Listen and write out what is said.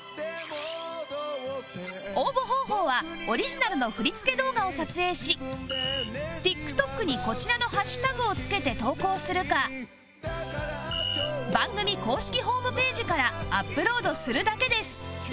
応募方法はオリジナルの振り付け動画を撮影し ＴｉｋＴｏｋ にこちらのハッシュタグを付けて投稿するか番組公式ホームページからアップロードするだけです